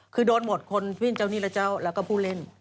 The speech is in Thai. คือโดนหมดคนวิ่งเจ้าหนี้และเจ้าแล้วก็ผู้เล่น